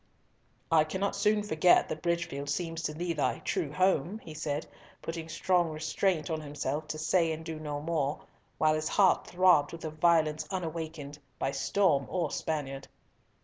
"I cannot soon forget that Bridgefield seems to thee thy true home," he said, putting strong restraint on himself to say and do no more, while his heart throbbed with a violence unawakened by storm or Spaniard.